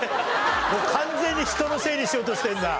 完全に人のせいにしようとしてるな。